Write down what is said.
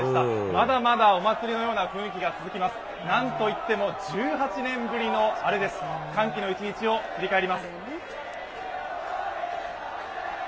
まだまだお祭りのような雰囲気が続きます、なんといっても１８年ぶりのアレです、歓喜の一日を振り返ります。